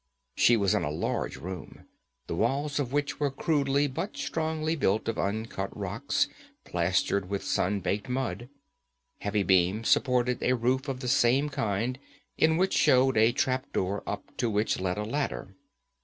She was in a large room, the walls of which were crudely but strongly built of uncut rocks, plastered with sun baked mud. Heavy beams supported a roof of the same kind, in which showed a trap door up to which led a ladder.